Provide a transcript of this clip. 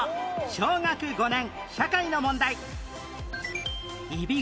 小学５年社会の問題